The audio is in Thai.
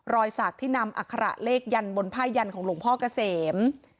รอยสักที่นำอัคระเลขยันบนผ้ายันของหลวงพ่อเกษม